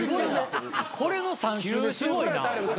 これの３週目すごいな。